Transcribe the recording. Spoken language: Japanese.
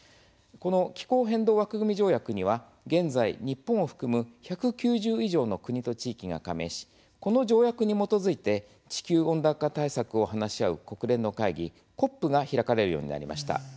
気候変動枠組条約には現在日本を含む１９０以上の国と地域が加盟しこの条約に基づいて地球温暖化対策を話し合う国連の会議ＣＯＰが開かれるようになりました。